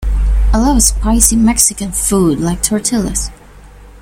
I love spicy Mexican food like tortillas.